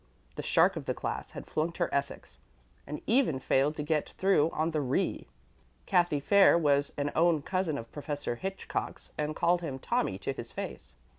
The shark of the class had flunked her ethics, and even failed to get through on the "re." Cathy Fair was an own cousin of Professor Hitchcock's, and called him "Tommy" to his face.